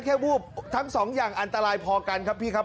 วูบทั้งสองอย่างอันตรายพอกันครับพี่ครับ